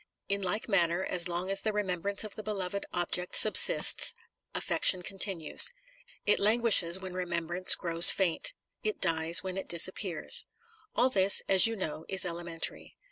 In like manner, as long as the remembrance of the beloved object subsists, affection continues. It languishes when remembrance grows faint; it dies when it disappears. All this, as you know, is ele mentary.